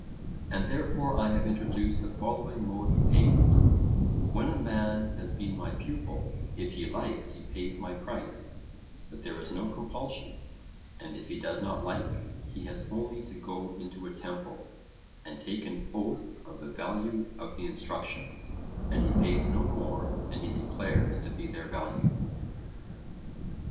And therefore I have introduced the following mode of payment: When a man has been my pupil, if he likes he pays my price, but there is no compulsion; and if he does not like, he has only to go into a temple and take an oath of the value of the instructions, and he pays no more than he declares to be their value.